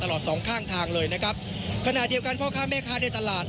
สองข้างทางเลยนะครับขณะเดียวกันพ่อค้าแม่ค้าในตลาด